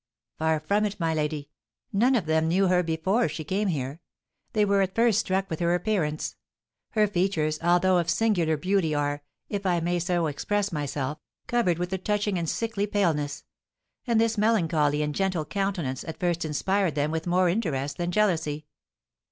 "Far from it, my lady; none of them knew her before she came here. They were at first struck with her appearance. Her features, although of singular beauty, are, if I may so express myself, covered with a touching and sickly paleness; and this melancholy and gentle countenance at first inspired them with more interest than jealousy.